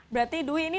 berarti dwi ini